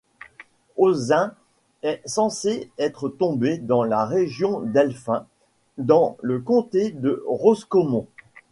Oisín est censé être tombé dans la région d'Elphin, dans le comté de Roscommon.